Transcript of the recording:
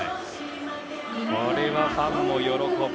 これはファンも喜ぶ。